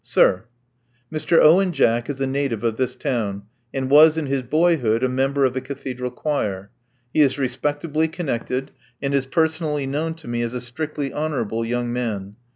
Sir, — Mr. Owen Jack is a native of this town, and was, in his boyhood, a member of the Cathedral Choir. He is respectably connected, and is personally known to me as a strictly honorable young man.